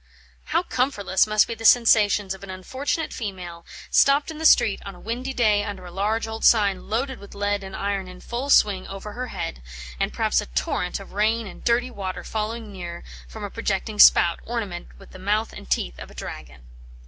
How comfortless must be the sensations of an unfortunate female, stopped in the street on a windy day under a large old sign loaded with lead and iron in full swing over, her head? and perhaps a torrent of rain and dirty water falling near from a projecting spout, ornamented with the mouth and teeth of a dragon.